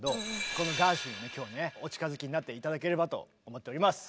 このガーシュウィンに今日はねお近づきになって頂ければと思っております。